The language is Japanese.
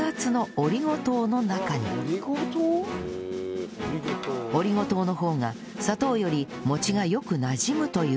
オリゴ糖の方が砂糖より餅がよくなじむというのです